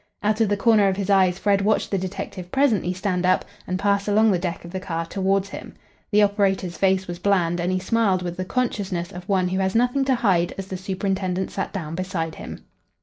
Out of the corner of his eyes, Fred watched the detective presently stand up and pass along the deck of the car towards him. The operator's face was bland, and he smiled with the consciousness of one who has nothing to hide as the superintendent sat down beside him.